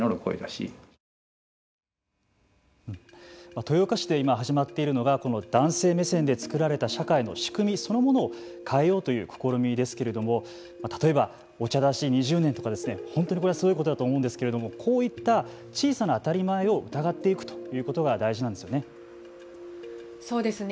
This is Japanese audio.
豊岡市で今始まっているのがこの男性目線で作られた社会の仕組みそのものを変えようという試みですけれども例えばお茶出し２０年とか本当にすごいことだと思うんですけれどもこういった小さな当たり前を疑っていくということが大事なんですよね。